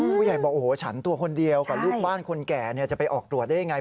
ผู้ใหญ่บอกโอ้โหฉันตัวคนเดียวกับลูกบ้านคนแก่จะไปออกตรวจได้ยังไง